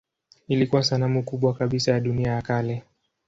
Ilikuwa sanamu kubwa kabisa ya dunia ya kale.